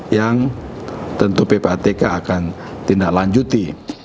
yang tentu ppatk akan tindak lanjuti